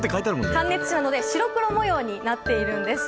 感熱紙なので白黒模様になっています。